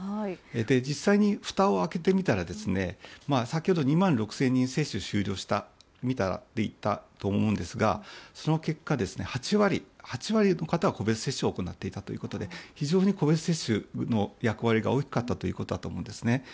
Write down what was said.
実際にふたを開けてみたら先ほど２万６０００人接種終了したと言ったと思うんですがその結果、８割の方は個別接種を行っていたということで非常に個別接種の役割が大きかったということだと思うんですね。